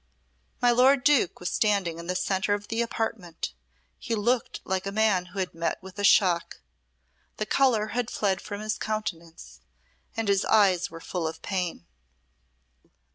My lord Duke was standing in the centre of the apartment. He looked like a man who had met with a shock. The colour had fled from his countenance, and his eyes were full of pain.